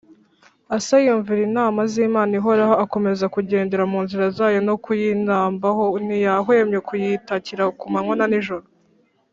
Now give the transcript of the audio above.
Asa yumvira inama z’Imana ihoraho akomeza kugendera mu nzira zayo no kuyinambaho ntiyahwemye kuyitakira ku manywa na nijoro.